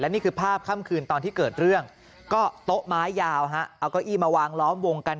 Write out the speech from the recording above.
นี่คือภาพค่ำคืนตอนที่เกิดเรื่องก็โต๊ะไม้ยาวเอาเก้าอี้มาวางล้อมวงกัน